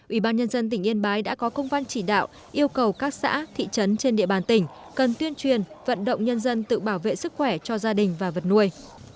ủy ban nhân dân tỉnh yên bái đã có công văn chỉ đạo yêu cầu các xã thị trấn trên địa bàn tỉnh cần tuyên truyền vận động nhân dân tự bảo vệ sức khỏe cho gia đình và vật nuôi